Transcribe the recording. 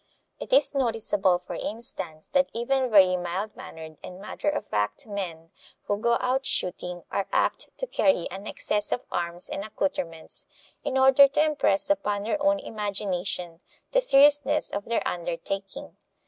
It is noticeable, for instance, that even very mild mannered and matter of fact men who go out shooting are apt to carry an excess of arms and accoutrements in order to impress upon their own imagination the seriousness of their undertaking.